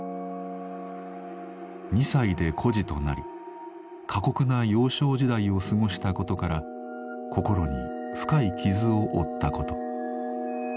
２歳で孤児となり過酷な幼少時代を過ごしたことから心に深い傷を負ったこと。